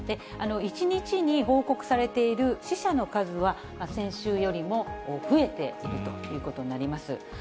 １日に報告されている死者の数は、先週よりも増えているということになります。